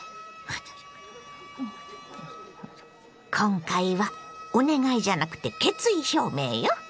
今回はお願いじゃなくて決意表明よ。